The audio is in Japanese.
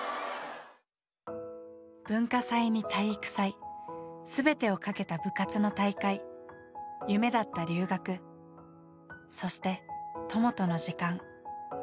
文化祭に体育祭全てをかけた部活の大会夢だった留学そして友との時間。